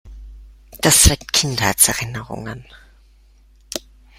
Das weckt Kindheitserinnerungen.